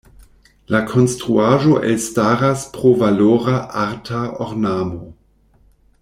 La konstruaĵo elstaras pro valora arta ornamo.